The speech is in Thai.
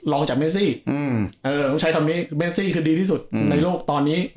จากเมซี่ต้องใช้คำนี้เมซี่คือดีที่สุดในโลกตอนนี้